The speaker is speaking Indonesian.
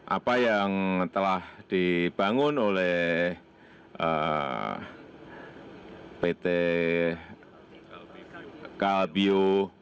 apa yang telah dibangun oleh pt kalbio